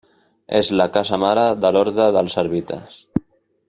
És la casa mare de l'Orde dels Servites.